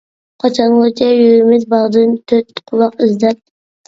قاچانغىچە يۈرىمىز باغدىن تۆت قۇلاق ئىزدەپ.